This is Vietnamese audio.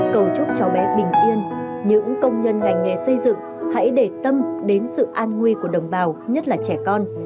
cầu chúc cháu bé bình yên những công nhân ngành nghề xây dựng hãy để tâm đến sự an nguy của đồng bào nhất là trẻ con